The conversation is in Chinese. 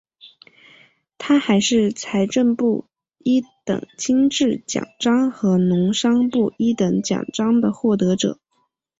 他还是财政部一等金质奖章和农商部一等奖章的获得者。